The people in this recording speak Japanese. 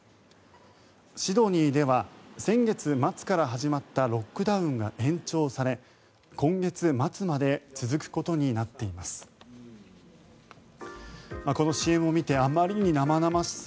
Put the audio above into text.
シドニーでは先月末から始まったロックダウンが延長され今月末まで続くことになっています。